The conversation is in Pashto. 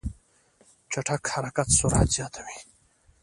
چټک حرکت سرعت زیاتوي.